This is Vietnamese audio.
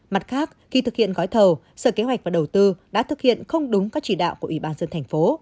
mặt khác khi thực hiện gói thầu sở kế hoạch và đầu tư đã thực hiện không đúng các chỉ đạo của ủy ban dân thành phố